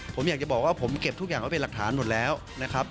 ผมอยากจะบอกว่าผมเก็บทุกอย่างไว้เป็นหลักฐานหมดแล้วนะครับ